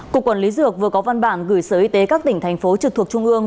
cục quản lý dược vừa có văn bản gửi sở y tế các tỉnh thành phố trực thuộc trung ương